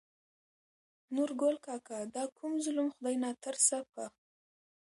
نورګل کاکا : دا کوم ظلم خداى ناترسه په